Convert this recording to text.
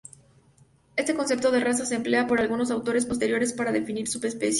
Este concepto de raza se emplea por algunos autores posteriores para definir subespecies.